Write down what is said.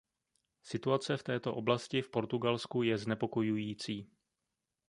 Situace v této oblasti v Portugalsku je znepokojující.